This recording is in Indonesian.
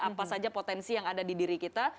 apa saja potensi yang ada di diri kita